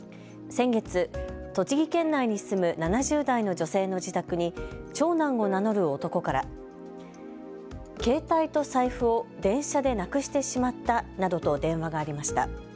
先月、栃木県内に住む７０代の女性の自宅に長男を名乗る男から携帯と財布を電車でなくしてしまったなどと電話がありました。